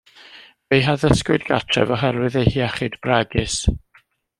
Fe'i haddysgwyd gartref oherwydd ei hiechyd bregus.